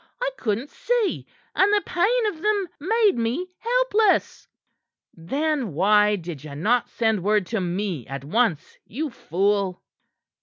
I couldn't see, and the pain of them made me helpless." "Then why did ye not send word to me at once, you fool?"